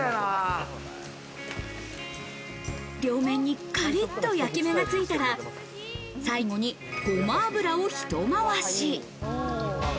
両面にカリッと焼き目がついたら、最後にゴマ油をひと回し。